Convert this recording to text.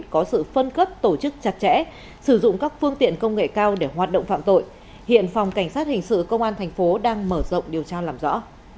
có sự phân cấp tổ chức chặt chẽ sử dụng các phương tiện công nghệ cao để hoạt động phạm tội hiện phòng cảnh sát hình sự công an thành phố đang mở rộng điều tra làm rõ